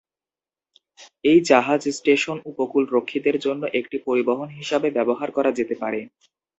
এই জাহাজ স্টেশন উপকূল রক্ষীদের জন্য একটি পরিবহন হিসাবে ব্যবহার করা যেতে পারে।